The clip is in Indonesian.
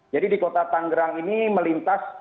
jadi di kota tangerang ini melintas